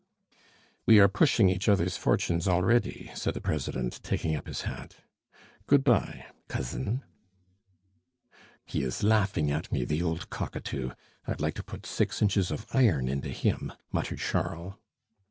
"We are pushing each other's fortunes already," said the president, taking up his hat. "Good by, cousin." "He is laughing at me, the old cockatoo! I'd like to put six inches of iron into him!" muttered Charles.